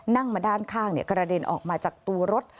นั่งมาด้านข้างกระเด็นออกมาจากตัวรถ